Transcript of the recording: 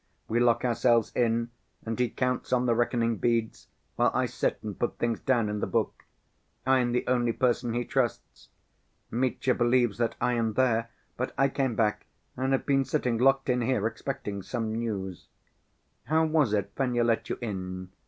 We lock ourselves in and he counts on the reckoning beads while I sit and put things down in the book. I am the only person he trusts. Mitya believes that I am there, but I came back and have been sitting locked in here, expecting some news. How was it Fenya let you in?